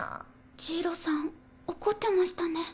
ジイロさん怒ってましたね。